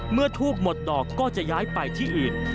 ทูบหมดดอกก็จะย้ายไปที่อื่น